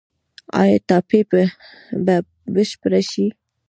آیا ټاپي به بشپړه شي؟